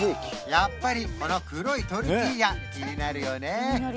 やっぱりこの黒いトルティーヤ気になるよね？